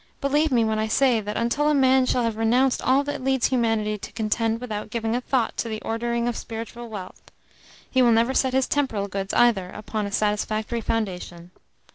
Believe me when I say that, until a man shall have renounced all that leads humanity to contend without giving a thought to the ordering of spiritual wealth, he will never set his temporal goods either upon a satisfactory foundation.